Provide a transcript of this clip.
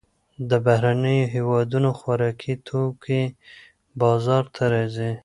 د بهرنیو هېوادونو خوراکي توکي بازار ته راځي.